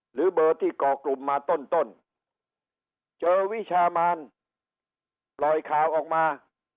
หรือเบอร์ที่ก่อกลุ่มมาต้นต้นเจอวิชามานปล่อยข่าวออกมา